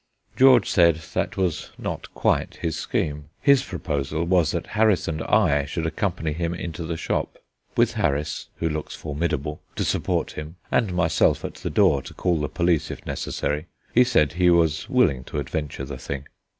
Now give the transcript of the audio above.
George said that was not quite his scheme. His proposal was that Harris and I should accompany him into the shop. With Harris, who looks formidable, to support him, and myself at the door to call the police if necessary, he said he was willing to adventure the thing.